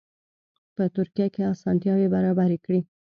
په ترکیه کې اسانتیاوې برابرې کړي.